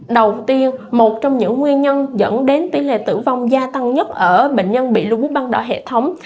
đầu tiên một trong những nguyên nhân dẫn đến tỷ lệ tử vong gia tăng nhất ở bệnh nhân bị lưu bút ban đảo hệ thống